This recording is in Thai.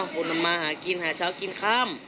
คนมาหากินหาเช้ากินข้าม